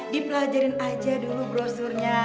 dipelajarin aja dulu brosurnya